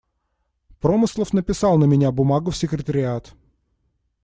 Промыслов написал на меня бумагу в Секретариат.